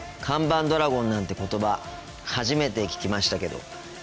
看板ドラゴンなんて言葉初めて聞きましたけど。